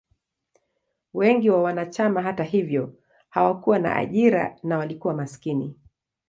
Wengi wa wanachama, hata hivyo, hawakuwa na ajira na walikuwa maskini.